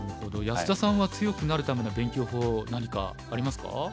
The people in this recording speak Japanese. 安田さんは強くなるための勉強法何かありますか？